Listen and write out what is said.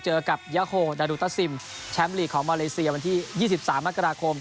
เจอกับยาโฮดาดูตาซิมแชมป์ลีกของมาเลเซียวันที่๒๓มกราคม